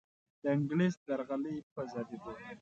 دانګلیس درغلۍ په زیاتیدو ده.